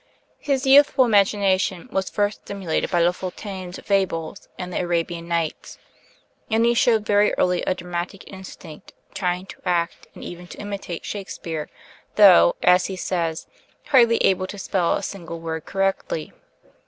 His youthful imagination was first stimulated by La Fontaine's 'Fables' and the 'Arabian Nights,' and he showed very early a dramatic instinct, trying to act and even to imitate Shakespeare, though, as he says, "hardly able to spell a single word correctly."